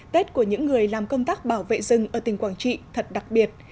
tết của những người làm công tác bảo vệ rừng ở tỉnh quảng trị thật đặc biệt